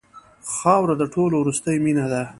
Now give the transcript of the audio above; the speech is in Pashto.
خاوره د ټولو وروستۍ مینه ده.